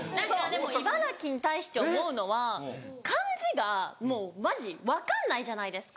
茨城に対して思うのは漢字がマジ分かんないじゃないですか。